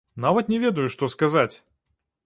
Нават не ведаю, што сказаць!